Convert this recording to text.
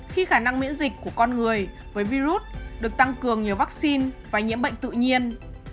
khi khả năng miễn dịch của con người với virus được tăng cường nhờ vaccine và nhiễm bệnh tự nhiên